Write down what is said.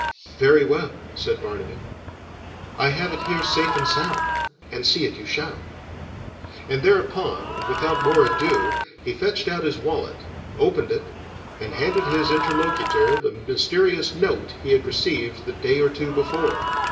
"Very well," said Barnaby; "I have it here safe and sound, and see it you shall." And thereupon and without more ado he fetched out his wallet, opened it, and handed his interlocutor the mysterious note he had received the day or two before.